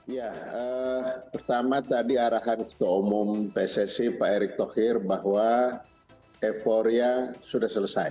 ya pertama tadi arahan ketua umum pssi pak erick thohir bahwa euforia sudah selesai